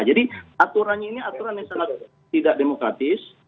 jadi aturan ini aturan yang sangat tidak demokratis